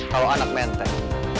kalau anak menteng